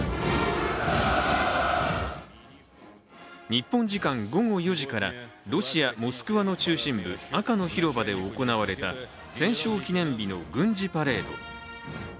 日本時間午後４時からロシア・モスクワの中心部、赤の広場で行われた戦勝記念日の軍事パレード。